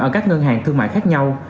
ở các ngân hàng thương mại khác nhau